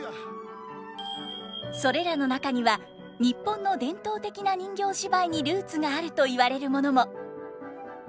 それらの中には日本の伝統的な人形芝居にルーツがあると言われるものも。